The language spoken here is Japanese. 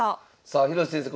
さあ広瀬先生